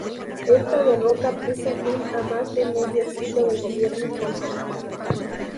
Esta derrota puso fin a más de medio siglo de gobiernos conservadores.